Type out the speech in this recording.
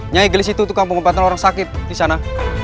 nyigelis itu tuh kampung kebantuan orang sakit disana